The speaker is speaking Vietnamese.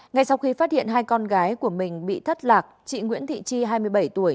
ngay sau khi phát hiện hai con gái của mình bị thất lạc chị nguyễn thị chi hai mươi bảy tuổi